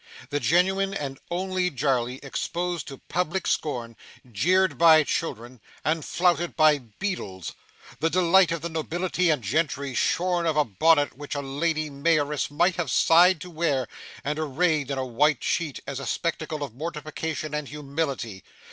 The genuine and only Jarley exposed to public scorn, jeered by children, and flouted by beadles! The delight of the Nobility and Gentry shorn of a bonnet which a Lady Mayoress might have sighed to wear, and arrayed in a white sheet as a spectacle of mortification and humility!